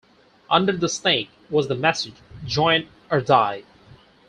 Under the snake was the message "Join, or Die".